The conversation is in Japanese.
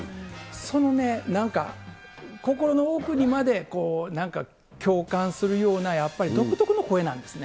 その心の奥にまでなんか共感するような、やっぱり独特の声なんですね。